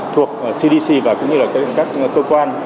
thuộc cdc và các cơ quan